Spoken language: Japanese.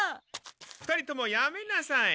２人ともやめなさい。